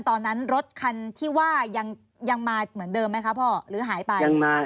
ตอนนั้นรถคันที่ว่ายังมาเหมือนเดิมไหมคะพ่อหรือหายไป